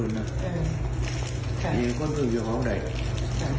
หลวงปู่ท่านจะบอกว่ายังไงเนี่ยเดี๋ยวท่านลองฟังดูนะฮะ